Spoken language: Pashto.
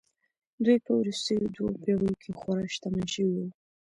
دوی په وروستیو دوو پېړیو کې خورا شتمن شوي وو